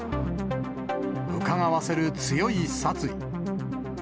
うかがわせる強い殺意。